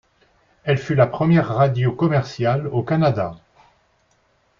Elle fut la première radio commerciale au Canada.